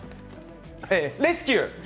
「レスキュー！